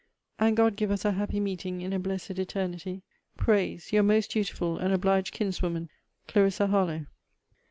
And God give us a happy meeting in a blessed eternity; prays Your most dutiful and obliged kinswoman, CLARISSA HARLOWE.